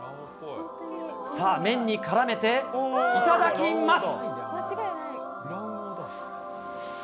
さあ、麺にからめていただきます。